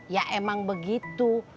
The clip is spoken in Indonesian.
ya emang begitu